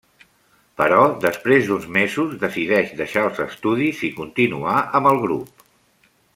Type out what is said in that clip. Però després d'uns mesos, decideix deixar els estudis i continuar amb el grup.